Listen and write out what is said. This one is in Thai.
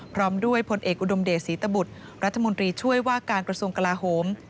พร้อมด้วยพลเอกอุดมเดชรีฐบุตรรัฐธธรรมดิช่วยว่าการกรสวงกราโหม